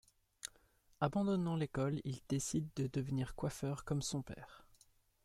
Abandonnant l'école, il décide de devenir coiffeur comme son père.